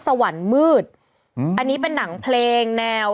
เป็นการกระตุ้นการไหลเวียนของเลือด